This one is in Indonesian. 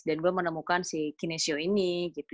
dan gue menemukan si kinesio ini gitu